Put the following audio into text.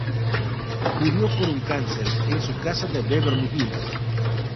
Murió por un cáncer en su casa de Beverly Hills.